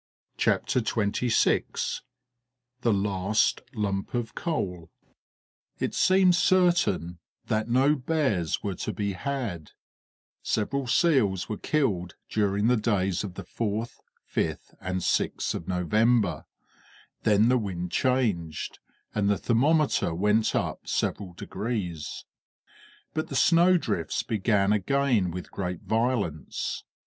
CHAPTER XXVI THE LAST LUMP OF COAL It seemed certain that no bears were to be had; several seals were killed during the days of the 4th, 5th, and 6th of November; then the wind changed, and the thermometer went up several degrees; but the snow drifts began again with great violence.